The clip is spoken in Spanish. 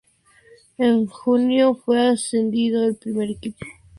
En junio fue ascendido al primer equipo.